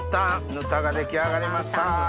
ぬたが出来上がりました。